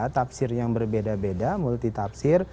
tafsir yang berbeda beda multi tafsir